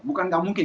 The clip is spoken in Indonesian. bukan tidak mungkin